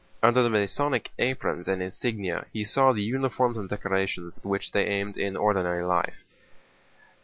Under the Masonic aprons and insignia he saw the uniforms and decorations at which they aimed in ordinary life.